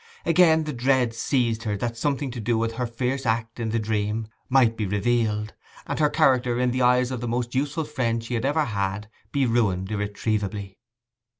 Again the dread seized her that something to do with her fierce act in the dream might be revealed, and her character in the eyes of the most useful friend she had ever had be ruined irretrievably.